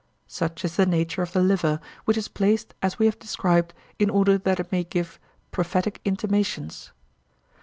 Such is the nature of the liver, which is placed as we have described in order that it may give prophetic intimations.